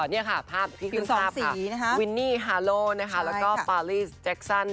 นี่ค่ะภาพที่คือสองสีวินนี่ฮาโลแล้วก็ปารี่เจ็กซัน